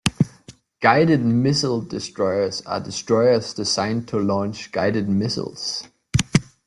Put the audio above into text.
Guided-missile destroyers are destroyers designed to launch guided missiles.